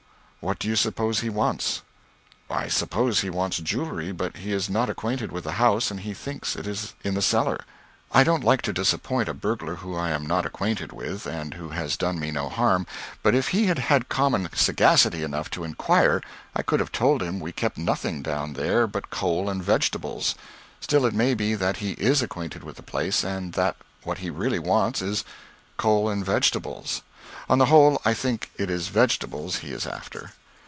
What do you suppose he wants?" "I suppose he wants jewelry, but he is not acquainted with the house and he thinks it is in the cellar. I don't like to disappoint a burglar whom I am not acquainted with, and who has done me no harm, but if he had had common sagacity enough to inquire, I could have told him we kept nothing down there but coal and vegetables. Still it may be that he is acquainted with the place, and that what he really wants is coal and vegetables. On the whole, I think it is vegetables he is after."